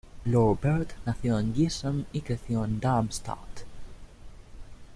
Lore Bert nació en Giessen y creció en Darmstadt.